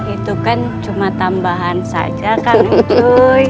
itu kan cuma tambahan saja kang uncuy